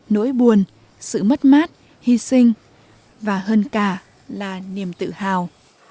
nỗi buồn sự mất mát hy sinh và hơn cả là niềm tự hào